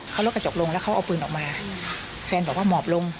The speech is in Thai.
เขาลดกระจกลงแล้วเขาเอาปืนออกมาแฟนบอกว่าหมอบลง